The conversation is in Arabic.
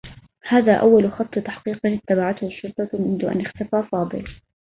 هذا هو أوّل خطّ تحقيق اتّبعته الشّرطة منذ أن اختفى فاضل.